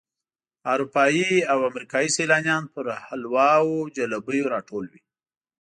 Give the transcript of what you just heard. اروپایي او امریکایي سیلانیان پر حلواو او جلبیو راټول وي.